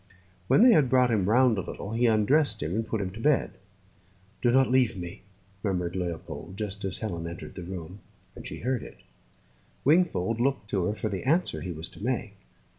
When they had brought him round a little, he undressed him and put him to bed. "Do not leave me," murmured Leopold, just as Helen entered the room, and she heard it. Wingfold looked to her for the answer he was to make.